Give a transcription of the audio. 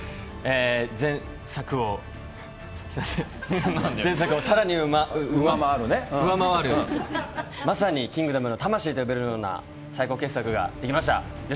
前作を、すみません、前作をさらに上回る、まさにキングダムの魂と呼べるような最高傑作が出来ました。